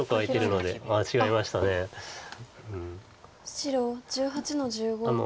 白１８の十五。